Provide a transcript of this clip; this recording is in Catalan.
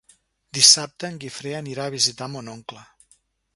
Dissabte en Guifré anirà a visitar mon oncle.